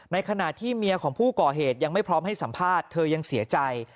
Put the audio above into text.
ในขณะที่เมียของผู้ก่อเหตุยังไม่พร้อมให้สัมภาษณ์เธอยังเสียใจ